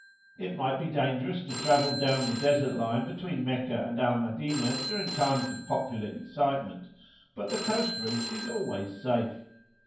It might be dangerous to travel down the Desert line between Meccah and Al Madinah during times of popular excitement; but the coast route is always safe.